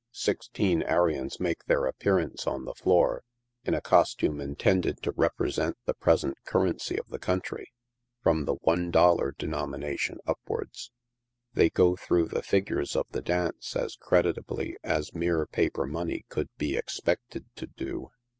Sixteen Arions make their appearance on the floor, in a costume intended to represent the present currency of the country, from the one dollar denomination upwards. They go through the figures of the dance as creditably as mere paper money could be expected to do.